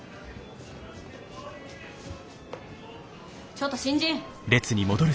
ちょっと新人！